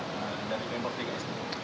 dari member tiga